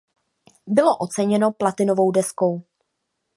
Bylo oceněno platinovou deskou.